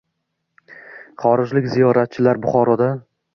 Xorijlik ziyoratchilar Buxoroda